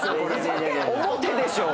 表でしょう。